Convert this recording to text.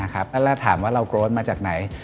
แล้วถามว่าเรากรดมาจากไหน